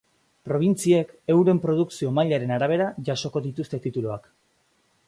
Probintziek, euren produkzio mailaren arabera jasoko dituzte tituluak.